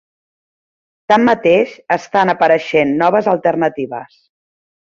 Tanmateix, estan apareixen noves alternatives.